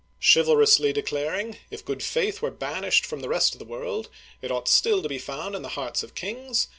Chivalrously declaring, "If good faith were banished from the rest of the world, it ought still to be found in the hearts of kings